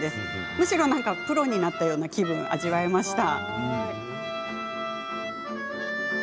むしろなんかプロになったような気分を味わえました。